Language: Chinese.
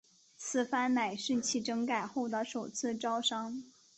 此番乃是其整改后的首次招商。